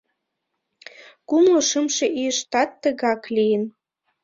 Кумло шымше ийыштат тыгак лийын.